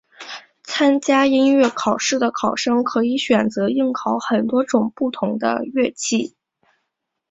参加音乐考试的考生可以选择应考很多种不同的乐器。